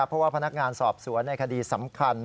เพราะว่าพนักงานสอบสัมาธิศัพท์ในคณะขาดีสำคัญ